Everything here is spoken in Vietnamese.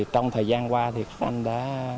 trong thời gian qua thì các anh đã